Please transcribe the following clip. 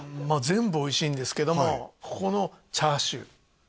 全部おいしいんですけどもここのチャーシュー？